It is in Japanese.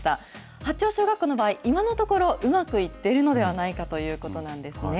八町小学校の場合、今のところ、うまくいっているのではないかということなんですね。